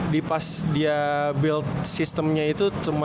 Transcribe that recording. di pas dia build systemnya itu